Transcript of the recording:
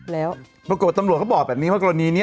แล้วปรากฏตำรวจเขาบอกแบบนี้ว่ากรณีนี้